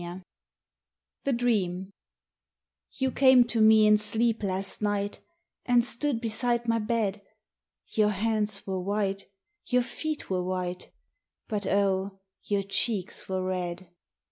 86 THE DREAM You came to me in sleep last night, And stood beside my bed. Your hands were white, your feet were white, But, oh, your cheeks were red